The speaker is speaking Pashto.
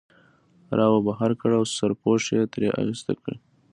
را وبهر کړ او سرپوښ یې ترې ایسته کړ.